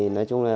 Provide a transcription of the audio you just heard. nói chung là